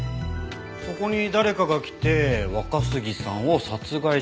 そこに誰かが来て若杉さんを殺害した。